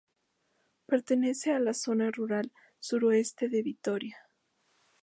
Pertenece a la Zona Rural Suroeste de Vitoria.